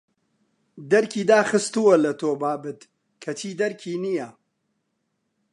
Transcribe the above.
دەرکی داخستووە لە تۆ بابت کەچی دەرکی نییە